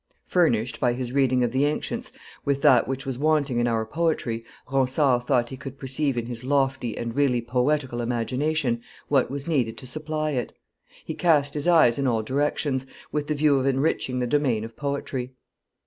Furnished, by his reading of the ancients, with that which was wanting in our poetry, Ronsard thought he could perceive in his lofty and really poetical imagination what was needed to supply it; he cast his eyes in all directions, with the view of enriching the domain of poetry.